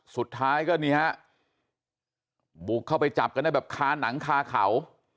สุดท้ายก็นี่ฮะบุกเข้าไปจับกันได้แบบคาหนังคาเขา